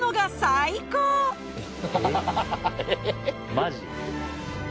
マジ？